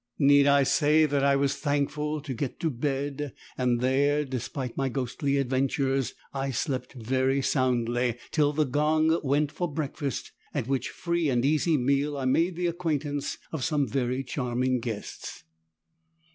Need I say that I was thankful to get to bed and there, despite my ghostly adventures, I slept very soundly till the gong went for breakfast, at which free and easy meal I made the acquaintance of some very charming guests.